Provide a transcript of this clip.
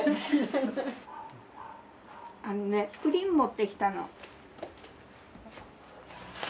あのねプリン持ってきたの。